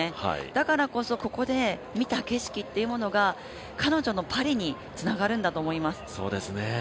だからこそ、ここで見た景色というものが彼女のパリにつながるんだと思います。